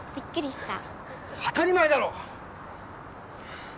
当たり前だろ！